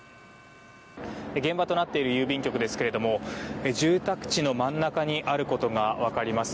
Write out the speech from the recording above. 現場となっている郵便局ですけども住宅地の真ん中にあることが分かります。